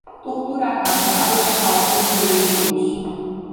Tortura a cavalo, saltos direitos.